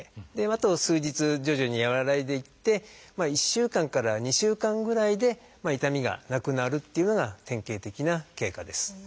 あと数日徐々に和らいでいって１週間から２週間ぐらいで痛みがなくなるっていうのが典型的な経過です。